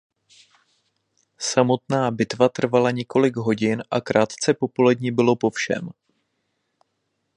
Samotná bitva trvala několik hodin a krátce po poledni bylo po všem.